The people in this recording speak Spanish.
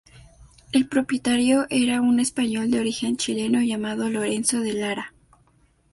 El propietario era un español de origen chileno, llamado Lorenzo de Lara.